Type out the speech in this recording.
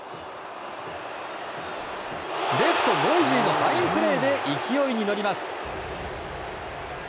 レフト、ノイジーのファインプレーで勢いに乗ります。